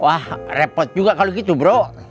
wah repot juga kalau gitu bro